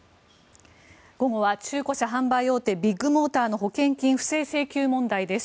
午後は中古車販売大手ビッグモーターの保険金不正請求問題です。